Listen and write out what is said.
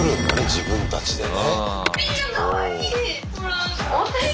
自分たちでね。